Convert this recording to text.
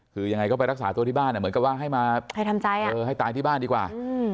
คือยังไงก็ไปรักษาตัวที่บ้านเหมือนกับว่าให้มาให้ตายที่บ้านดีกว่า